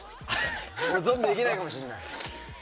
ゾンビできないかもしれない。